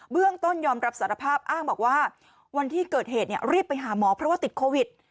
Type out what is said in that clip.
เรื่องต้นยอมรับสารภาพอ้างบอกว่าวันที่เกิดเหตุรีบไปหาหมอเพราะว่าติดโควิด